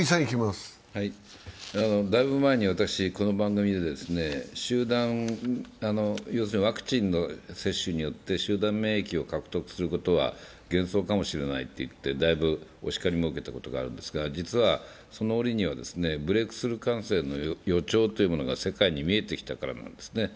だいぶ前に私、この番組でワクチンの接種によって集団免疫を獲得することは幻想かもしれないと言ってだいぶお叱りも受けたことがあるんですが、実はその折りにはブレークスルー感染の予兆が世界に見えてきたからなんですね。